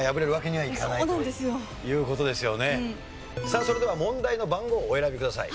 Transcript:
さあそれでは問題の番号をお選びください。